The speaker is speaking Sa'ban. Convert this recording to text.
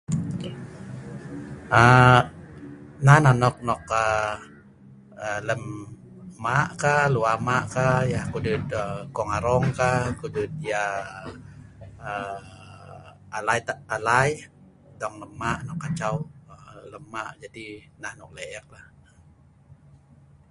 Aaa nan anok nok aa a lem mah' kah, lual mah' kah, yah ko'dut kongarongkah ko'dut yah a alai, alai dong lem mah' nok kacau, lem ma' nah nok leh ek ailah.